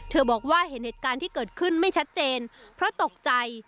บอกว่าเห็นเหตุการณ์ที่เกิดขึ้นไม่ชัดเจนเพราะตกใจ